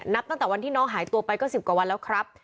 นับตั้งแต่วันที่น้องหายตัวไปก็๑๐กว่าวันแล้วครับ